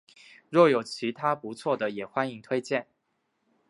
若有其他不错的也欢迎推荐